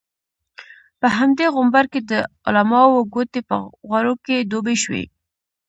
په همدې غومبر کې د علماوو ګوتې په غوړو کې ډوبې شوې.